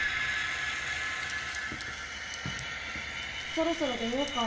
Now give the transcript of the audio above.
そろそろ出ようか。